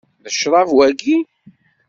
D ccṛab waki?